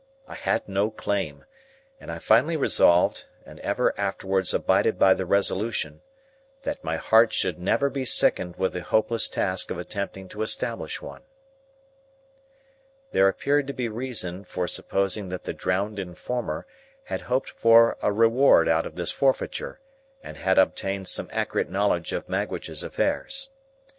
I had no claim, and I finally resolved, and ever afterwards abided by the resolution, that my heart should never be sickened with the hopeless task of attempting to establish one. There appeared to be reason for supposing that the drowned informer had hoped for a reward out of this forfeiture, and had obtained some accurate knowledge of Magwitch's affairs.